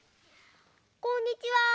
こんにちは。